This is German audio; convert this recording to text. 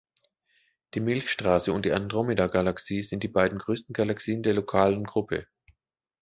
Die Milchstraße und die Andromedagalaxie sind die beiden größten Galaxien der Lokalen Gruppe.